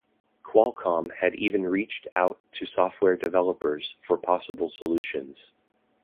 Qualcomm had even reached out to software developers for possible solutions.